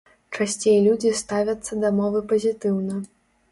Часцей людзі ставяцца да мовы пазітыўна.